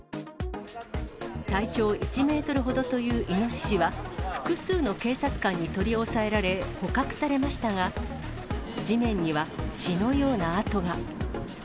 体長１メートルほどというイノシシは、複数の警察官に取り押さえられ、捕獲されましたが、地面には血のような跡が。